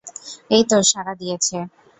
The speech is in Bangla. এইতো সাড়া দিয়েছে।